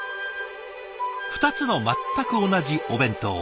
２つの全く同じお弁当。